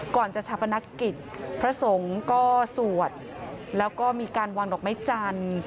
ก่อนจะชาปนกิจพระสงฆ์ก็สวดแล้วก็มีการวางดอกไม้จันทร์